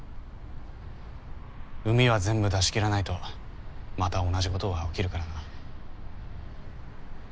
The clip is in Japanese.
膿は全部出し切らないとまた同じことが起きるからな。